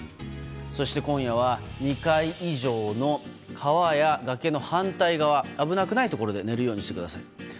そして今夜は２階以上の川や崖の反対側危なくないところで寝るようにしてください。